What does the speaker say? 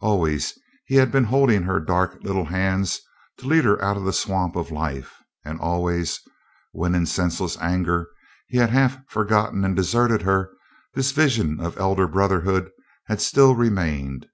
Always he had been holding her dark little hands to lead her out of the swamp of life, and always, when in senseless anger he had half forgotten and deserted her, this vision of elder brotherhood had still remained.